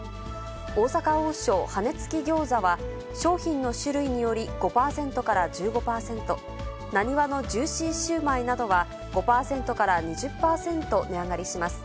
大阪王将羽根つき餃子は、商品の種類により５％から１５％、なにわのジューシー焼売などは５％から２０％値上がりします。